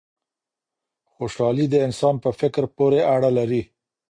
خوشحالي د انسان په فکر پوري اړه لري.